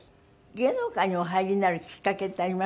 芸能界にお入りになるきっかけってありましたか？